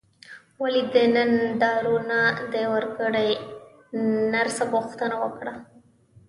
ولې دې نن دارو نه دي ورکړي نرس پوښتنه وکړه.